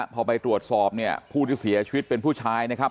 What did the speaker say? พอไปตรวจสอบเนี่ยผู้ที่เสียชีวิตเป็นผู้ชายนะครับ